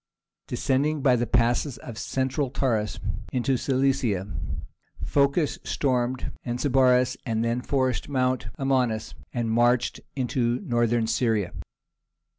Descending by the passes of the Central Taurus into Cilicia, Phocas stormed Anazarbus, and then forced Mount Amanus, and marched into Northern Syria.